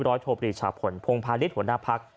ร้อยโทรปริชาผลพงภาษณิษฐ์หัวหน้าพัก